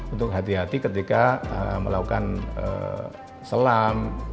untuk hati hati ketika melakukan selam